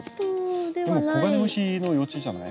コガネムシの幼虫じゃない？